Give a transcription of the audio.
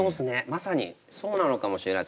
まさにそうなのかもしれないです。